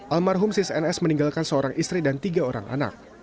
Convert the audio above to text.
almarhum sis ns meninggalkan seorang istri dan tiga orang anak